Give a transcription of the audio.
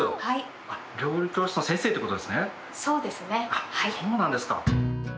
あっそうなんですか。